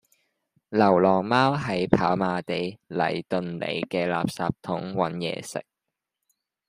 流浪貓喺跑馬地禮頓里嘅垃圾桶搵野食